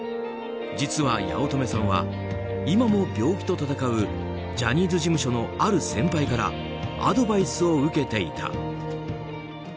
実は八乙女さんは今も病気と闘うジャニーズ事務所のある先輩からアドバイスを受けていた。